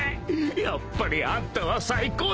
やっぱりあんたは最高だべ！